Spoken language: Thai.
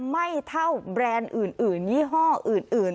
ไม่เท่าแบรนด์อื่นยี่ห้ออื่น